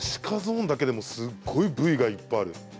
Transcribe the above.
鹿ゾーンだけでもすごい部位がいっぱいある。